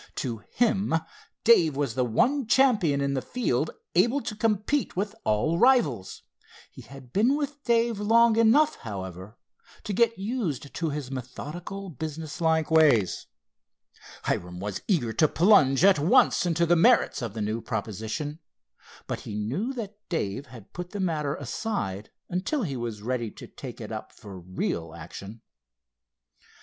To him Dave was the one champion in the field able to compete with all rivals. He had been with Dave long enough, however, to get used to his methodical business like ways. Hiram was eager to plunge at once into the merits of the new proposition, but he knew that Dave had put the matter aside until he was ready to take it up for real action.